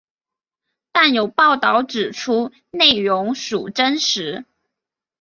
但有报导指出内容属真实。